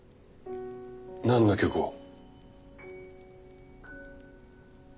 何の曲を？